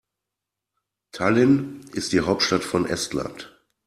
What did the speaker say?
Tallinn ist die Hauptstadt von Estland.